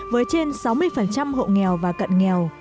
với trên sáu mươi hộ nghèo và cận nghèo